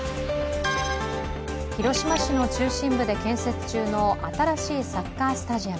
広島市の中心部で建設中の新しいサッカースタジアム。